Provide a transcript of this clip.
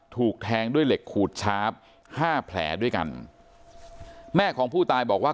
ถูกแทงด้วยเหล็กขูดชาร์ฟห้าแผลด้วยกันแม่ของผู้ตายบอกว่า